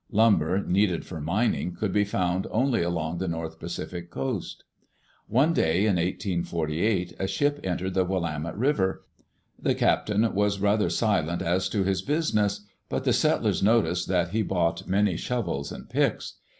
Lumber, needed for mining, could be found only along the north Pacific coast. One day, in 1848, a ship entered the Willamette River. The captain was rather silent as to his business, but the settlers noticed that he bought many shovels and picks.